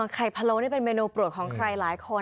พะโลนี่เป็นเมนูโปรดของใครหลายคน